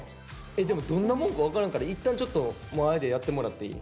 でもどんなもんか分からんから一旦ちょっと前でやってもらっていい？